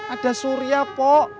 ada surya pok